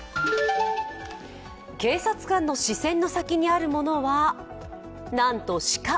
警察官の視線の先にあるものはなんと鹿。